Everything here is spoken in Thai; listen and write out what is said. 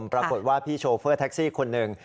ปรากฏว่าพี่โชเฟอร์แท็กซี่คนหนึ่ง